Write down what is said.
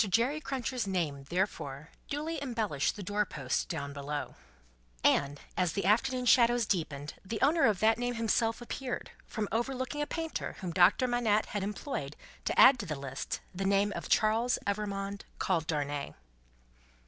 Jerry Cruncher's name, therefore, duly embellished the doorpost down below; and, as the afternoon shadows deepened, the owner of that name himself appeared, from overlooking a painter whom Doctor Manette had employed to add to the list the name of Charles Evrémonde, called Darnay.